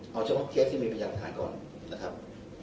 เอาเฉพาะแคร์ทที่มีพญาติหลักฐานก่อนนะครับ